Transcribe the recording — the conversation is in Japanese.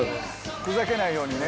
ふざけないようにね。